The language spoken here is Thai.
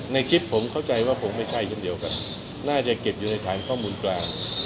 ในคลิปผมเข้าใจว่าผมไม่ใช่คนเดียวกันน่าจะเก็บอยู่ในฐานข้อมูลกลาง